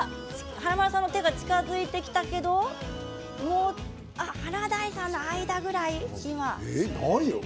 華丸さんの手が近づいてきたけど華大さんの間ぐらい。